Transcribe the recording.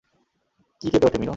কী কেঁপে উঠে, মিনো?